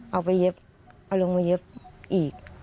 เอาไปเย็บเอาลงมาเย็บอีก